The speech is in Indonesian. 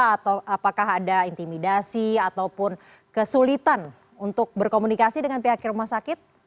atau apakah ada intimidasi ataupun kesulitan untuk berkomunikasi dengan pihak rumah sakit